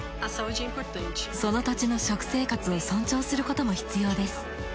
その土地の食生活を尊重することも必要です。